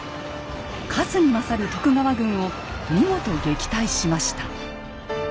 数に勝る徳川軍を見事撃退しました。